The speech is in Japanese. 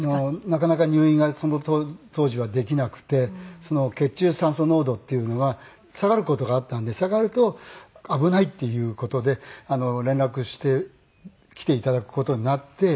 なかなか入院がその当時はできなくて血中酸素濃度っていうのが下がる事があったんで下がると危ないっていう事で連絡して来て頂く事になって。